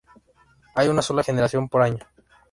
Hay una sola generación por año.